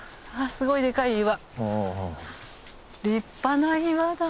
すごいデカい岩。